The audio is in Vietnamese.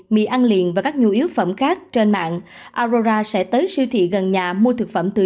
mì ăn liền và các nhu yếu phẩm khác trên mạng arora sẽ tới siêu thị gần nhà mua thực phẩm từ